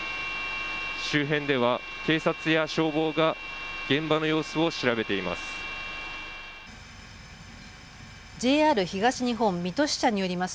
周辺では警察や消防が現場の様子を調べています。